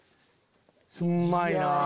うんまいな。